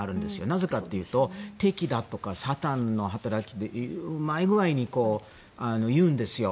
なぜかというと敵だとかサタンの働きってうまい具合に言うんですよ。